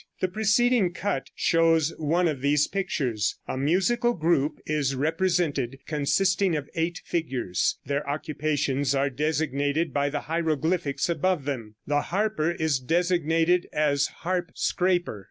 The preceding cut shows one of these pictures. A musical group is represented, consisting of eight figures. Their occupations are designated by the hieroglyphics above them. The harper is designated as "harp scraper."